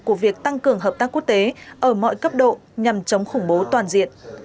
của việc tăng cường hợp tác quốc tế ở mọi cấp độ nhằm chống khủng bố toàn diện